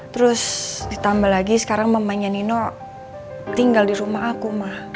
terus ditambah lagi sekarang mamanya nino tinggal di rumah aku mah